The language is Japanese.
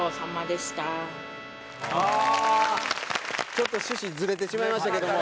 ちょっと趣旨ずれてしまいましたけども。